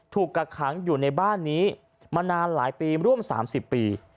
กักขังอยู่ในบ้านนี้มานานหลายปีร่วม๓๐ปี